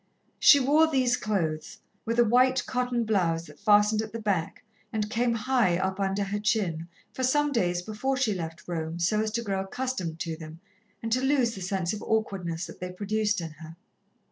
She wore these clothes, with a white cotton blouse that fastened at the back and came high up under her chin, for some days before she left Rome, so as to grow accustomed to them, and to lose the sense of awkwardness that they produced in her.